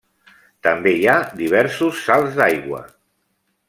També hi ha diversos salts d'aigua.